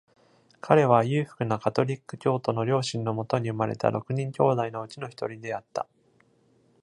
彼は裕福なカトリック教徒の両親のもとに生まれた六人兄弟のうちの一人であった。